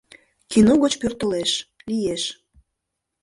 Кино гыч пӧртылеш, лиеш.